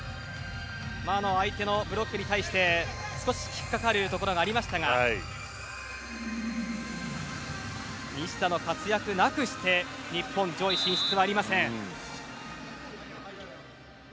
相手のブロックに対して少し引っかかるところがありましたが西田の活躍なくして日本上位進出はありません。